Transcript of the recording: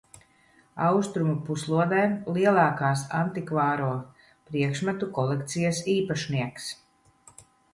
Austrumu puslodē lielākās antikvāro priekšmetu kolekcijas īpašnieks.